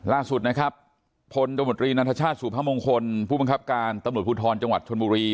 ล่าสุดนะครับพลตมตรีนันทชาติสุพมงคลผู้บังคับการตำรวจภูทรจังหวัดชนบุรี